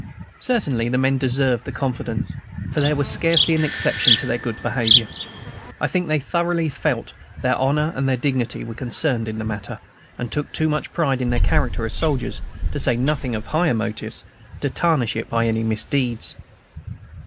Certainly the men deserved the confidence, for there was scarcely an exception to their good behavior. I think they thoroughly felt that their honor and dignity were concerned in the matter, and took too much pride in their character as soldiers, to say nothing of higher motives, to tarnish it by any misdeeds.